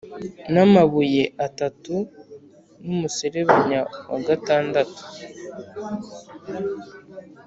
n'amabuye atatu/ n'umuserebanya wa gatandatu »